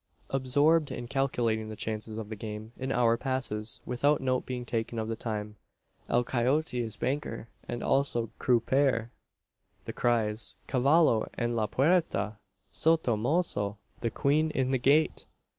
Absorbed in calculating the chances of the game, an hour passes without note being taken of the time. El Coyote is banker, and also croupier. The cries "Cavallo en la puerta!" "Soto mozo!" "The queen in the gate!"